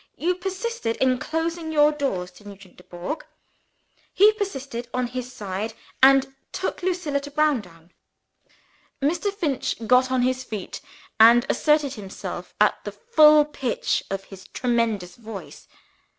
"You persisted in closing your doors to Nugent Dubourg. He persisted, on his side and took Lucilla to Browndown." Mr. Finch got on his feet, and asserted himself at the full pitch of his tremendous voice.